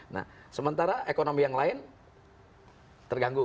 nah sementara ekonomi yang lain terganggu